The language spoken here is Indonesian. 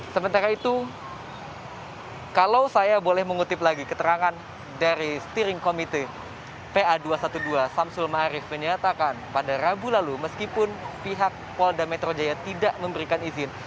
sementara itu kalau saya boleh mengutip lagi keterangan dari steering committee pa dua ratus dua belas samsul marif menyatakan pada rabu lalu meskipun pihak polda metro jaya tidak memberikan izin